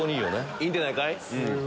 いいんでないかい。